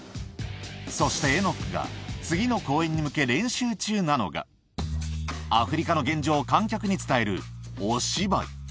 そしてエノックが次の公演に向け、練習中なのが、アフリカの現状を観客に伝えるお芝居。